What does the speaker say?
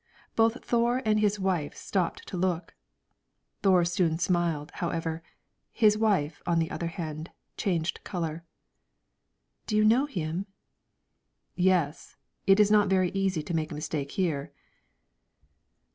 Both Thore and his wife stopped to look. Thore soon smiled, however; his wife, on the other hand, changed color. "Do you know him?" "Yes, it is not very easy to make a mistake here."